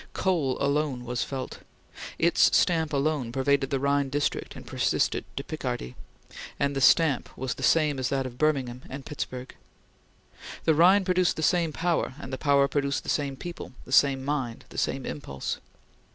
Coal alone was felt its stamp alone pervaded the Rhine district and persisted to Picardy and the stamp was the same as that of Birmingham and Pittsburgh. The Rhine produced the same power, and the power produced the same people the same mind the same impulse.